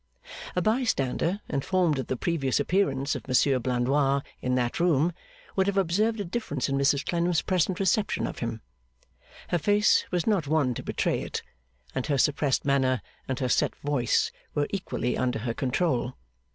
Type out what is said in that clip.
A bystander, informed of the previous appearance of Monsieur Blandois in that room, would have observed a difference in Mrs Clennam's present reception of him. Her face was not one to betray it; and her suppressed manner, and her set voice, were equally under her control.